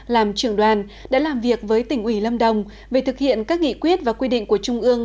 làm trưởng đoàn đã làm việc với tỉnh ủy lâm đồng về thực hiện các nghị quyết và quy định của trung ương